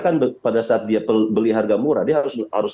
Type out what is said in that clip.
kan pada saat dia beli harga murah dia harus